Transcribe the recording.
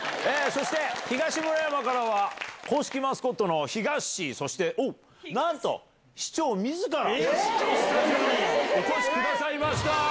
そして、東村山からは公式マスコットの、ひがっしー、おっ、なんと市長みずからスタジオにお越しくださいました。